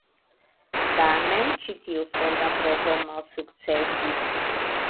Tamen ĉi tiu fonda provo malsukcesis.